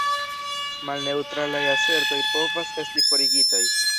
Malneŭtralaj asertoj povas esti forigitaj.